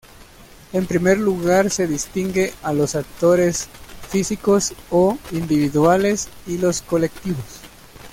En primer lugar se distingue a los actores físicos o individuales y los colectivos.